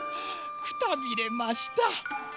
くたびれました。